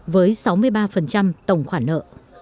với sáu mươi ba tổng khoản nợ